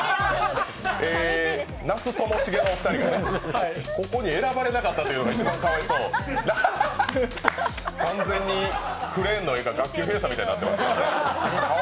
那須、ともしげの２人がここに選ばれなかったのが一番かわいそう、完全にクレーンの絵が学級閉鎖みたいになっています。